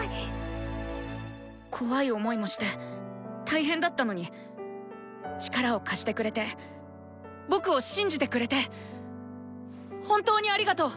怖い思いもして大変だったのに力を貸してくれて僕を信じてくれて本当にありがとう。